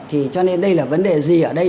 thì cho nên đây là vấn đề gì ở đây